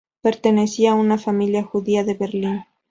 Pertenecía a una familia judía de Berlín.